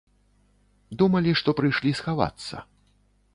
Думалі, што прыйшлі схавацца.